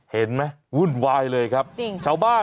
เห็นมั้ยวุ่นวายเลยครับจริงโชว์บ้าน